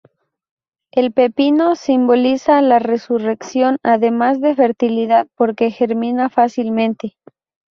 El pepino simboliza la Resurrección, además de fertilidad, porque germina fácilmente.